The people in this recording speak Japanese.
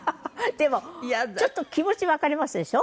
でもちょっと気持ちわかりますでしょ？